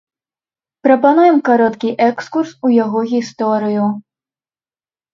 Прапануем кароткі экскурс у яго гісторыю.